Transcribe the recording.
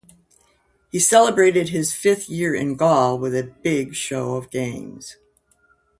He celebrated his fifth year in Gaul with a big show of games.